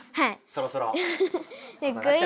そろそろ。